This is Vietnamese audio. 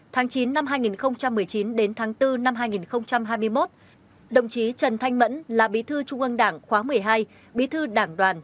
tháng chín năm hai nghìn một mươi chín đến tháng bốn năm hai nghìn hai mươi một đồng chí trần thanh mẫn là bí thư trung ương đảng khóa một mươi hai bí thư đảng đoàn